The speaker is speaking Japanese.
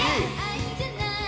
愛じゃない」